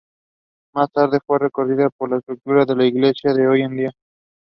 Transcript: She was buried next to her husband in Trumpeldor Cemetery.